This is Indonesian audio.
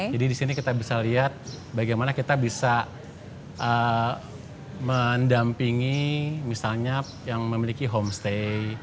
jadi di sini kita bisa lihat bagaimana kita bisa mendampingi misalnya yang memiliki homestay